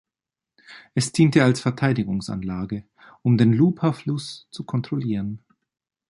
Es diente als Verteidigungsanlage, um den Lupar-Fluss zu kontrollieren.